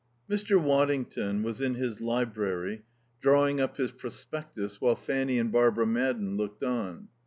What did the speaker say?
V 1 Mr. Waddington was in his library, drawing up his prospectus while Fanny and Barbara Madden looked on.